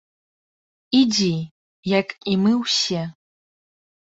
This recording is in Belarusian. - Ідзі, як і мы ўсе